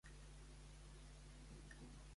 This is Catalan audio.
Va ser beneïda i situada a l'altar.